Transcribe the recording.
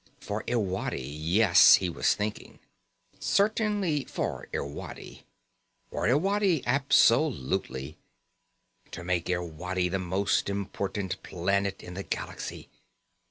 For Irwadi, yes, he was thinking. Certainly for Irwadi. For Irwadi absolutely. To make Irwadi the most important planet in the galaxy.